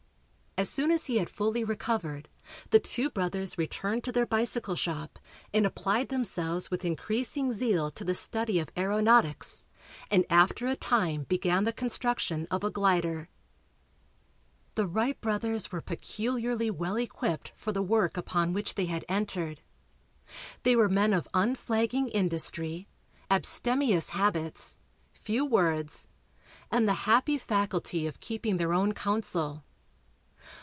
As soon as he had fully recovered, the two brothers returned to their bicycle shop and applied themselves with increasing zeal to the study of aeronautics, and after a time began the construction of a glider. The Wright brothers were peculiarly well equipped for the work upon which they had entered. They were men of unflagging industry, abstemious habits, few words and the happy faculty of keeping their own counsel.